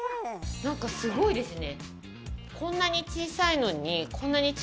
なんかすごいですね。